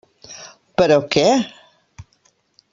Però què?